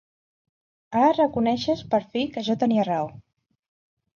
Ara reconeixes, per fi, que jo tenia raó.